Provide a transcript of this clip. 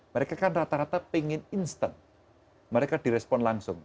mereka kan rata rata pengen instant mereka direspon langsung